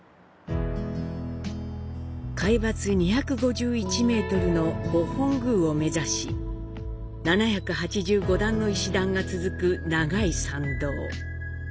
海抜２５１ｍの御本宮を目指し７８５段の石段が続く長い参道。